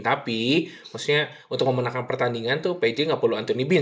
tapi maksudnya untuk memenangkan pertandingan tuh p j gak perlu anthony bean